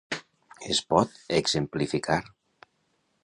Es pot exemplificar.